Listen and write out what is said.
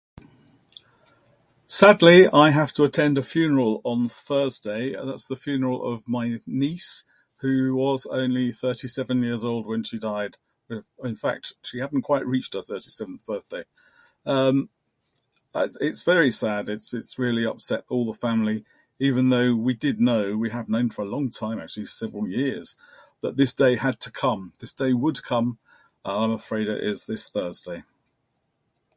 Sadly, I have to attend a funeral on Thursday. That's the funeral of my niece, who was only thirty seven years old when she died. In in fact, she hadn't quite reached her thirty seventh birthday. Um, i- it's very sad It's it's really upset all the family, even though we did know, we have known for a long time actually, several years, that this day had to come, this day would come. And I'm afraid it's this Thursday.